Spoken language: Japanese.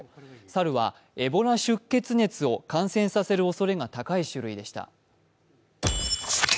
猿はエボラ出血熱を感染させるおそれが高い種類でした。